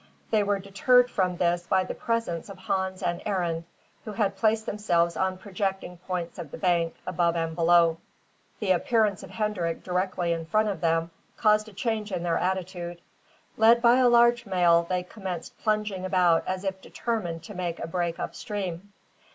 They were deterred from this by the presence of Hans and Arend, who had placed themselves on projecting points of the bank, above and below. The appearance of Hendrik directly in front of them caused a change in their attitude. Led by a large male, they commenced plunging about as if determined to make a break up stream.